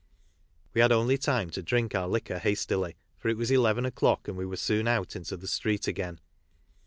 We had only time to drink our liquor hastily, for it was eleven o'clock, and we were soon out into the Street again.